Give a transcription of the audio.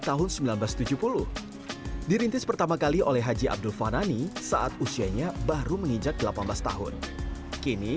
tahun seribu sembilan ratus tujuh puluh dirintis pertama kali oleh haji abdul fanani saat usianya baru menginjak delapan belas tahun kini